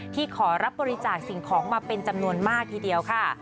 ขอรับบริจาคสิ่งของมาเป็นจำนวนมากทีเดียวค่ะ